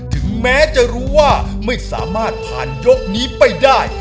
ถึงแม้จะรู้ว่าไม่สามารถผ่านยกนี้ไปได้